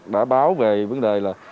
đã báo về vấn đề là